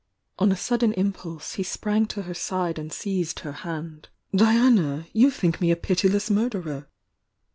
,.^ On a sudden impulse he sprang to her side ana seized her hand. "Diana! You think me a pitiless murderer!